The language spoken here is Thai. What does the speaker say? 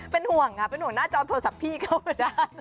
เป็นห่วงค่ะเป็นห่วงหน้าจอโทรศัพท์พี่เขาก็ได้